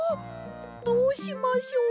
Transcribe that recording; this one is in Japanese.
どうしましょう。